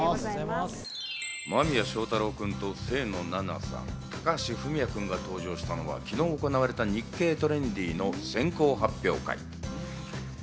間宮祥太朗君と清野菜名さん、高橋文哉君が登場したのは昨日行われた『日経トレンディ』の先行発表会。